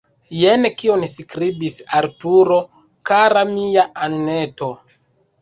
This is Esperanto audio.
Jen kion skribis Arturo: « Kara mia Anneto!